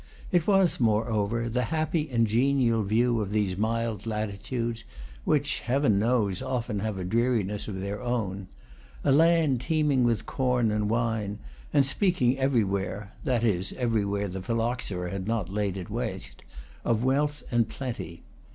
It was, moreover, the happy and genial view of these mild latitudes, which, Heaven knows, often have a dreari ness of their own; a land teeming with corn and wine, and speaking everywhere (that is, everywhere the phyl loxera had not laid it waste) of wealth and plenty.